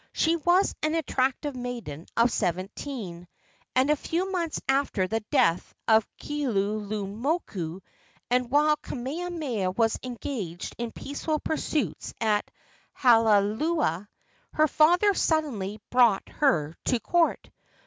She was an attractive maiden of seventeen, and a few months after the death of Keaulumoku, and while Kamehameha was engaged in peaceful pursuits at Halaula, her father suddenly brought her to court.